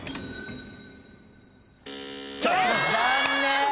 残念！